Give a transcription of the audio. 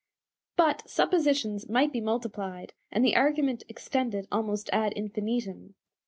But suppositions might be multiplied, and the argument extended almost ad infinitum.